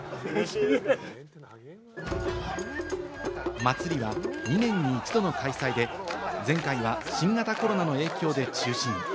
祭りは２年に１度の開催で、前回は新型コロナの影響で中止に。